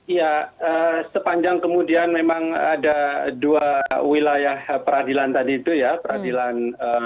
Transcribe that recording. ya sepanjang kemudian memang ada dua wilayah peradilan tadi itu ya peradilan